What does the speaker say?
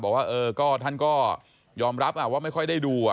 บอกว่าท่านก็ยอมรับว่าไม่ค่อยได้ดู